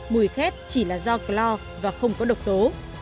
mùi khét chỉ là do clor và không có độc tố